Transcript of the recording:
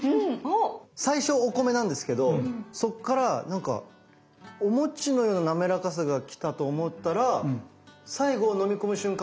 最初お米なんですけどそっからなんかお餅のような滑らかさがきたと思ったら最後飲み込む瞬間